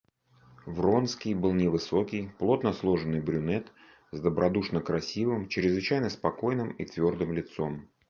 Вронский был невысокий, плотно сложенный брюнет, с добродушно-красивым, чрезвычайно спокойным и твердым лицом.